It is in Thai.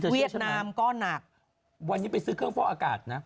นามก็หนักวันนี้ไปซื้อเครื่องฟอกอากาศนะ